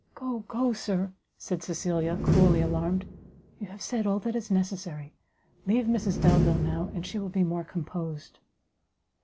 "Go, go, Sir!" said Cecilia, cruelly alarmed, "you have said all that is necessary; leave Mrs Delvile now, and she will be more composed."